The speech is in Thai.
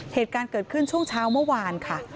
เหตุการณ์เกิดขึ้นช่วงเช้าเมื่อวานค่ะ